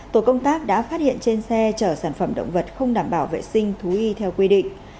tổ công tác đã phát hiện trên xe chở sản phẩm động vật không đảm bảo vệ sinh thú y theo quy định